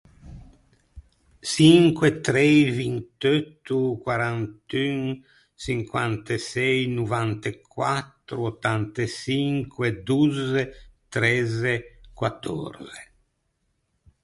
Çinque, trei, vint’eutto, quarant’un, çinquant’e sëi, novant’e quattro, ottant’e çinque, dozze, trezze, quattòrze.